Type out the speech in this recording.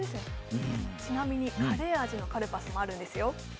ちなみにカレー味のカルパスもあるんですよ。